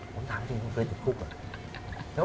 ผมถามจริงคุณเคยจะคุกเหรอ